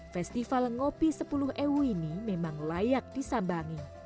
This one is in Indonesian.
festival ngopi sepuluh ew ini memang layak disambangi